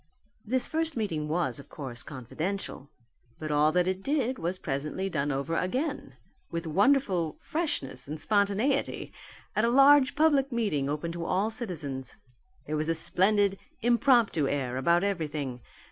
This first meeting was, of course, confidential. But all that it did was presently done over again, with wonderful freshness and spontaneity at a large public meeting open to all citizens. There was a splendid impromptu air about everything.